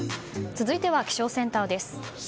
続いては気象センターです。